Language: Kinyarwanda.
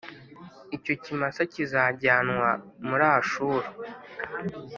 Icyo kimasa kizajyanwa muri Ashuru,